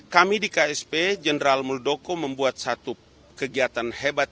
kami di ksp jenderal muldoko membuat satu kegiatan hebat